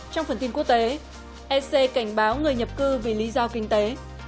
trong phần tin quốc tế ec cảnh báo người nhập cư vì lý do kinh tế